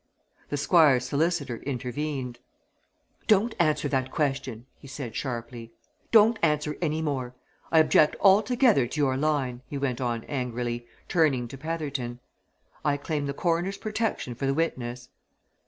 The Squire's solicitor intervened. "Don't answer that question!" he said sharply. "Don't answer any more. I object altogether to your line," he went on, angrily, turning to Petherton. "I claim the Coroner's protection for the witness."